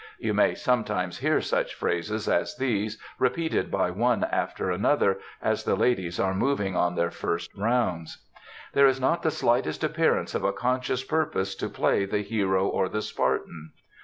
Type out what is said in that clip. You may always hear such phrases as these repeated by one after another, as the ladies are moving on their first rounds. There is not the slightest appearance of a conscious purpose to play the hero or the Spartan.